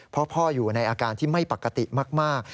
เพราะพ่ออยู่ในอาการที่ไม่ปกติมาก